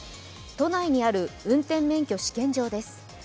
都内にある運転免許試験場です。